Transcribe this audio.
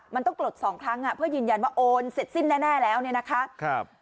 มันต้องปลดสองครั้งเพื่อยืนยันว่าโอนเสร็จสิ้นแน่แล้วเนี่ยนะคะ